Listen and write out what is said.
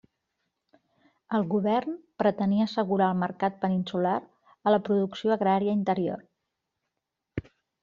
El govern pretenia assegurar el mercat peninsular a la producció agrària interior.